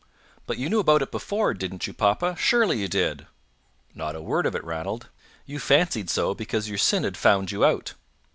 "But you knew about it before, didn't you, papa? Surely you did!" "Not a word of it, Ranald. You fancied so because your sin had found you out.